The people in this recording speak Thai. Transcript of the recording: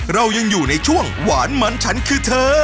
เรายังอยู่ในช่วงหวานมันฉันคือเธอ